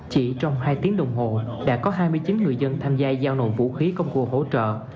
chỉ trong hai tiếng đồng hồ đã có hai mươi chín người dân tham gia giao nộp vũ khí công cụ hỗ trợ